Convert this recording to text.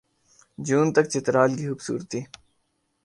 جون تک چترال کی خوبصورتی